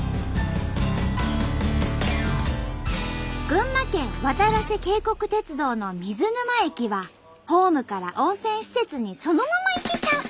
群馬県わたらせ渓谷鉄道の水沼駅はホームから温泉施設にそのまま行けちゃう！